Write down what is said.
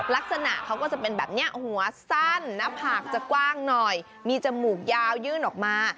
ลักษณะเขาก็จะเป็นแบบนี้หัวสั้นหน้าผากจะกว้างหน่อยมีจมูกยาวยื่นออกมา